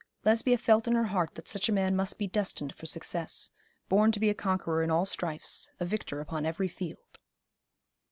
Lesbia felt in her heart that such a man must be destined for success, born to be a conqueror in all strifes, a victor upon every field.